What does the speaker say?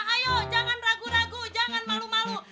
ayo jangan ragu ragu jangan malu malu